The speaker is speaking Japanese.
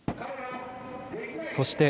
そして。